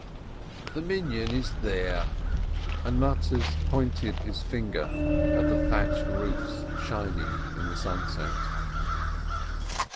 "The Minyan is there," and Mattes pointed his finger at the thatched roofs shining in the sunset.